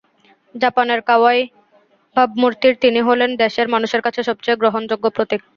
জাপানের কাওয়াইই ভাবমূর্তির তিনি হলেন দেশের মানুষের কাছে সবচেয়ে গ্রহণযোগ্য প্রতীক।